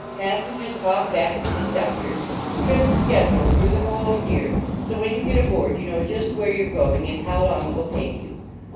Passen gers talk back at the conductor. Trips scheduled through the whole year, so when you get aboard you know just where you re going and how long it will take you.